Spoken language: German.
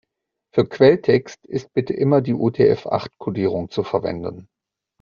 Für Quelltext ist bitte immer die UTF-acht-Kodierung zu verwenden.